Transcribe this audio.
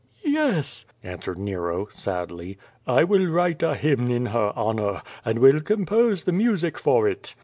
"Yes," answered Nero, sadly, "I will write a hymn in her honor, and will compose the music for it."